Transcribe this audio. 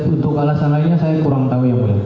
untuk alasan lainnya saya kurang tahu ya